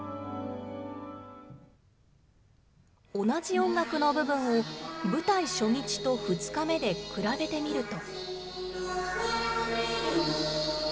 同じ音楽の部分を、舞台初日と２日目で比べてみると。